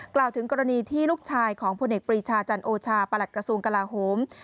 กล่าวถึงกรณีที่ลูกชายของพลเอกปรีชาจันโอชาประหลัดกระทรวงกลาโหม